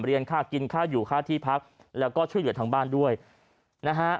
ค่ากินค่าอยู่ค่าที่พักแล้วก็ช่วยเหลือทางบ้านด้วยนะฮะ